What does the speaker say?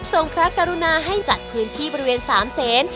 พระกรุณาให้จัดพื้นที่บริเวณ๓เซน